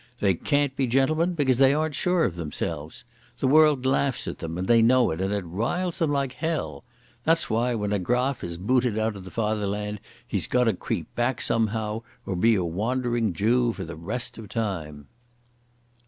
They can't be gentlemen, because they aren't sure of themselves. The world laughs at them, and they know it and it riles them like hell.... That's why when a Graf is booted out of the Fatherland, he's got to creep back somehow or be a wandering Jew for the rest of time."